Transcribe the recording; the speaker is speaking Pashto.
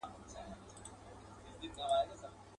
د هیڅ شي یې کمی نه وو په بدن کي.